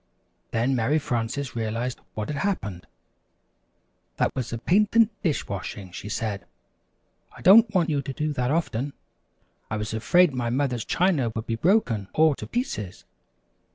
Then Mary Frances realized what had happened. "That was a patent dish washing," she said. "I don't want you to do that often. I was afraid my mother's china would be broken all to pieces!